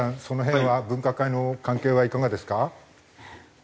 その辺は分科会の関係はいかがですか？